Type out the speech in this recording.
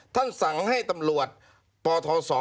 สั่งให้ตำรวจปทศ